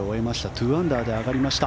２アンダーで上がりました。